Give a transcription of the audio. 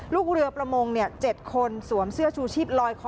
ลูกเรือประมง๗คนสวมเสื้อชูชีพลอยคอ